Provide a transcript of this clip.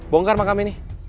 bongkar mah kami nih